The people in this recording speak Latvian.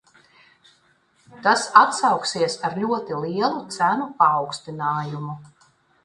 Tas atsauksies ar ļoti lielu cenu paaugstinājumu.